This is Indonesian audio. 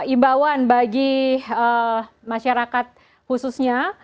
imbawan bagi masyarakat khususnya